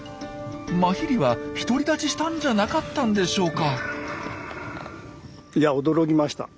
マヒリは独り立ちしたんじゃなかったんでしょうか？